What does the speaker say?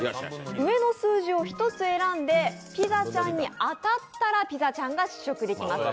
上の数字を１つ選んでピザちゃんに当たったらピザちゃんが試食できます。